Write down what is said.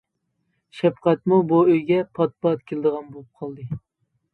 شەپقەتمۇ بۇ ئۆيگە پات-پات كېلىدىغان بولۇپ قالدى.